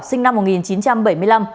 sinh năm một nghìn chín trăm bảy mươi năm